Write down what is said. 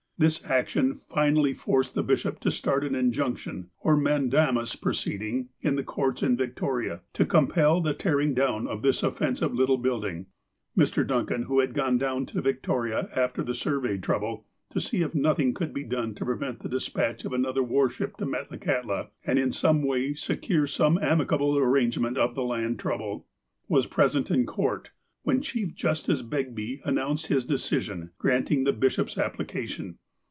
This action finally forced the bishop to start an injunc tion or mandamus proceeding in the courts in Victoria, to compel the tearing down of this offensive little building. Mr. Duncan, who had gone down to Victoria after the survey trouble, to see if nothing could be done to prevent the despatch of another war ship to Metlakahtla, and in some way secure some amicable arrangement of the land trouble, was present in court, when Chief Justice Begbie announced his decision granting the bishop's application.